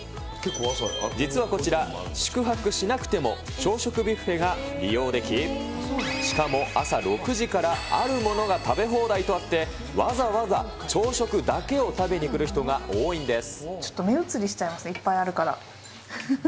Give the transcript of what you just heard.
実はこちら、宿泊しなくても朝食ビュッフェが利用でき、しかも朝６時から、あるものが食べ放題とあって、わざわざ朝食だけを食べに来る人ちょっと目移りしちゃいますね、いっぱいあるから。